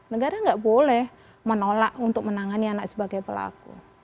negara nggak boleh menolak untuk menangani anak sebagai pelaku